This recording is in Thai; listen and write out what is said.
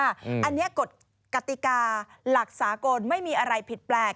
อันนี้กฎกติกาหลักสากลไม่มีอะไรผิดแปลก